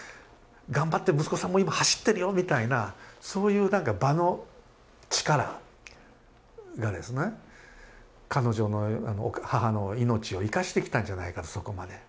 「頑張って息子さんも今走ってるよ」みたいなそういう何か場の力がですね彼女の母の命を生かしてきたんじゃないかとそこまで。